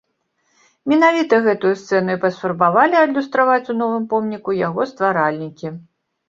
Менавіта гэтую сцэну і паспрабавалі адлюстраваць у новым помніку яго стваральнікі.